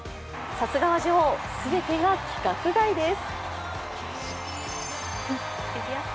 さすがは女王、すべてが規格外です